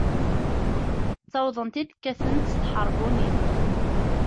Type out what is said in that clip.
Ttawḍen-t-id, kkaten-t s tḥeṛbunin.